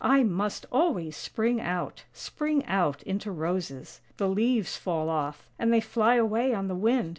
I must always spring out, spring out into roses. The leaves fall off, and they fly away on the wind.